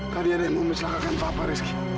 tadi ada yang mempercelakakan papa rizky